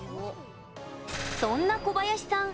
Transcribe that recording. そんな小林さん